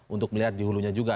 untuk melihat di hulunya juga